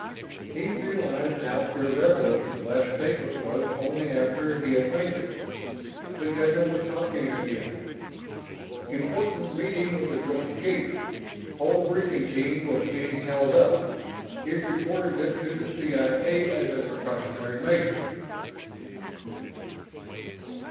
He realized how irrelevant the last statement was only after he had made it. The General was talking again ... important meeting with the Joint Chiefs ... whole briefing team was being held up ... he'd reported it to the C.I.A. as a precautionary measure....